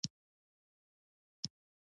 دا اصطلاح په ټولنه کې اغېز زیات و.